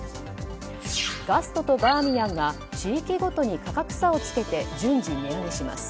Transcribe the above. ガストとバーミヤンが地域ごとに価格差をつけて順次値上げします。